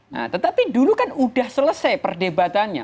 nah tetapi dulu kan sudah selesai perdebatannya